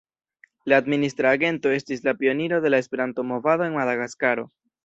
La administra agento estis la pioniro de la Esperanto-Movado en Madagaskaro.